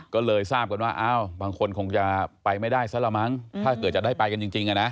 ก็เลยทราบกันว่าอ้าวบางคนคงจะไปไม่ได้ซะละมั้งถ้าเกิดจะได้ไปกันจริง